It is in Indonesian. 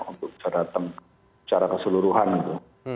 untuk bisa datang secara keseluruhan gitu